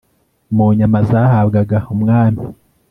mu nyama zahabwaga umwami